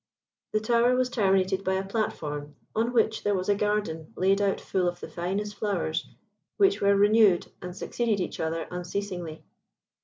The tower was terminated by a platform on which there was a garden laid out full of the finest flowers, which were renewed and succeeded each other unceasingly.